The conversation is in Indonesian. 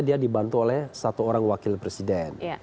dia dibantu oleh satu orang wakil presiden